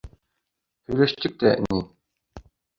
— Һөйләштек тә ни.